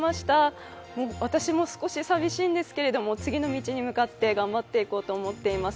私も少し寂しいんですけれども、次の道に向かって頑張っていこうと思っています。